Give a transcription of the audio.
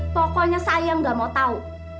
pokoknya saya nggak mau tahu